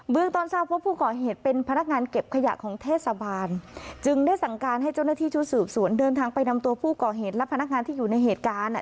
ตอนทราบว่าผู้ก่อเหตุเป็นพนักงานเก็บขยะของเทศบาลจึงได้สั่งการให้เจ้าหน้าที่ชุดสืบสวนเดินทางไปนำตัวผู้ก่อเหตุและพนักงานที่อยู่ในเหตุการณ์อ่ะ